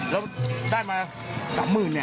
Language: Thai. เราได้มา๓๐๐๐๐เนี่ย